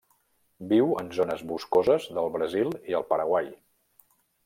Viu en zones boscoses del Brasil i el Paraguai.